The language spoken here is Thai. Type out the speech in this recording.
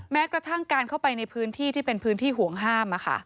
แม้กระทั่งการเข้าไปในพื้นที่ที่เป็นพื้นที่ห่วงห้าม